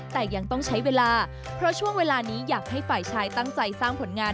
แต่ยังต้องใช้เวลาเพราะช่วงเวลานี้อยากให้ฝ่ายชายตั้งใจสร้างผลงาน